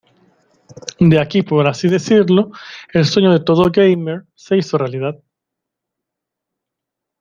De aquí por así decirlo, el sueño de todo Gamer se hizo realidad.